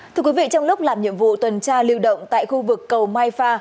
thưa quý vị trong lúc làm nhiệm vụ tuần tra lưu động tại khu vực cầu mai pha